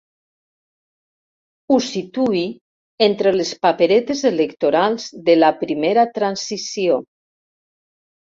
Ho situï entre les paperetes electorals de la primera transició.